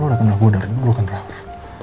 lu udah kenal gue dari dulu kan raff